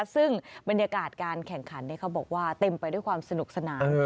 ซึ่งบรรยากาศการแข่งขันเขาบอกว่าเต็มไปด้วยความสนุกสนาน